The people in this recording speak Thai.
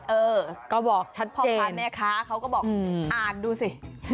เออก็บอกฉันพ่อค้าแม่ค้าเขาก็บอกอ่านดูสิ